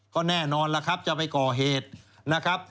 ก็แน่นอนล่ะครับจะไปก่อเหตุนะครับ